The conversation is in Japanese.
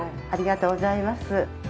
ありがとうございます。